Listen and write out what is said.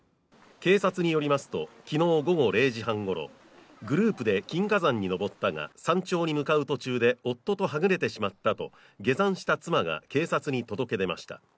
警察によりますと昨日午後０時半ごろ、グループで金華山に登ったが山頂に向かう途中で夫とはぐれてしまったと下山した妻が警察に届け出ました。